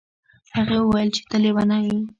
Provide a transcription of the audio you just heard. هغې وویل چې ته لیونی یې.